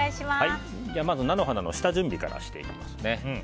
まず、菜の花の下準備からしていきます。